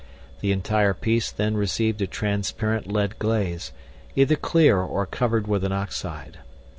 The entire piece then received a transparent lead glaze, either clear or covered with an oxide.